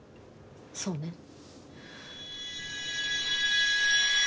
そうね。